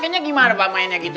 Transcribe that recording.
kayaknya gimana pak mainnya gitu